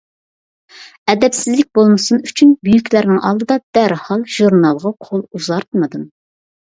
ئەدەپسىزلىك بولمىسۇن ئۈچۈن بۈيۈكلەرنىڭ ئالدىدا دەرھال ژۇرنالغا قول ئۇزارتمىدىم.